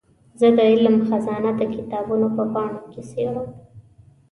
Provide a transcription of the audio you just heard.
زه د علم خزانه د کتابونو په پاڼو کې څېړم.